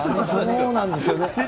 そうなんですよね。